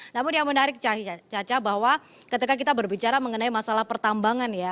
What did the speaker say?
namun yang menarik caca bahwa ketika kita berbicara mengenai masalah pertambangan ya